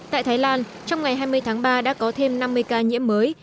tại thái lan trong ngày hai mươi tháng ba đã có thêm năm mươi ca nhiễm mới